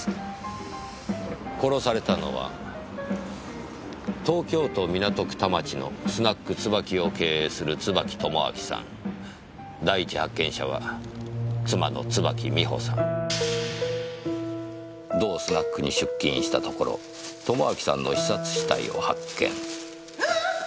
「殺されたのは東京都港区田町の『スナック椿』を経営する椿友章さん」「第一発見者は妻の椿美穂さん」「同スナックに出勤したところ友章さんの刺殺死体を発見」あっ！？